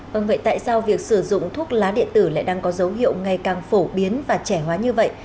vâng vậy tại sao việc sử dụng thuốc lá điện tử lại đang có dấu hiệu ngày càng phổ biến và trẻ hóa như vậy